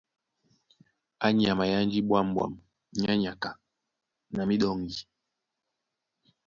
Á nyama é ánjí ɓwǎm̀ɓwam nyá nyaka na míɗɔŋgi.